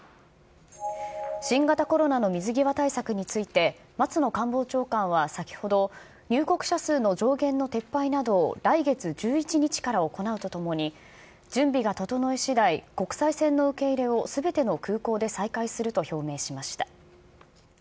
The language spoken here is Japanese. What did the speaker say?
新型コロナの水際対策について、松野官房長官は先ほど、入国者数の上限の撤廃などを来月１１日から行うとともに、準備が整いしだい、国際線の受け入れをすべての空港で再開すると表明しました。